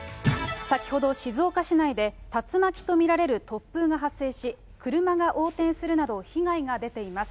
先ほど静岡市内で、竜巻と見られる突風が発生し、車が横転するなど、被害が出ています。